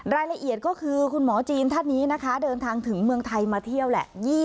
รายละเอียดก็คือคุณหมอจีนท่านนี้นะคะเดินทางถึงเมืองไทยมาเที่ยวแหละ